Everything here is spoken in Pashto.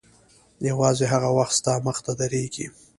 یوازې هغه وخت ستا مخته درېږي.